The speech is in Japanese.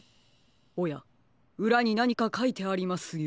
おやうらになにかかいてありますよ。